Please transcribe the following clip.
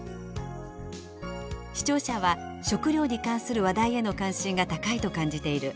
「視聴者は食料に関する話題への関心が高いと感じている。